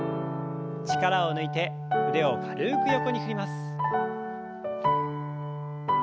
力を抜いて腕を軽く横に振ります。